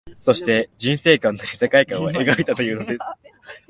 そして、人世観なり世界観を描いたというのです